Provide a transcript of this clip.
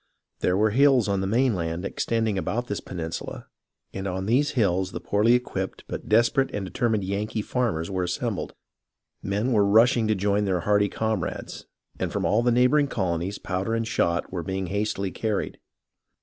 There were hills on the mainland extending about this peninsula, and on these hills the poorly equipped but desperate and determined Yankee farmers were assembled. Men were rushing to join their hardy comrades, and from all the neighbouring colonies powder and shot were being hastily carried.